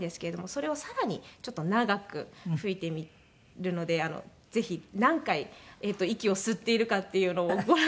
それをさらにちょっと長く吹いてみるのでぜひ何回息を吸っているかっていうのをご覧になって。